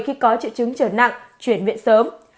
khi có triệu chứng trở nặng chuyển viện sớm